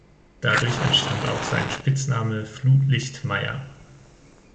Dadurch entstand auch sein Spitzname „Flutlicht-Meier“.